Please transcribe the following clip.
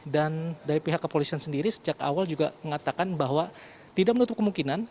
dan dari pihak kepolisian sendiri sejak awal juga mengatakan bahwa tidak menutup kemungkinan